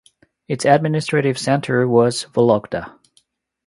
Its administrative centre was Vologda.